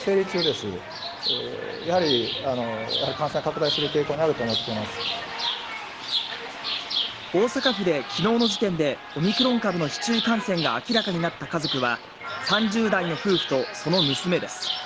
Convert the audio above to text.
大阪府で昨日の時点でオミクロン株の市中感染が明らかになった家族は３０代の夫婦とその娘です。